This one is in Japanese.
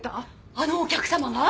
あのお客様が？